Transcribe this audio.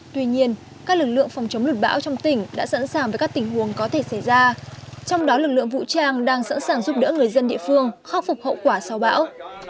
tuy nhiên các lực lượng phòng chống lụt bão trong tỉnh đã sẵn sàng với các tình huống có thể xảy ra trong đó lực lượng vũ trang đang sẵn sàng giúp đỡ người dân địa phương khắc phục hậu quả sau bão